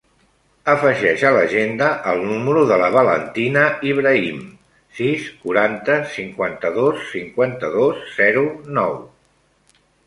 Afegeix a l'agenda el número de la Valentina Ibrahim: sis, quaranta, cinquanta-dos, cinquanta-dos, zero, nou.